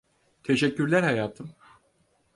Teşekkürler hayatım.